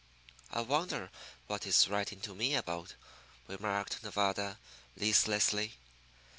"I wonder what he's writing to me about" remarked Nevada, listlessly.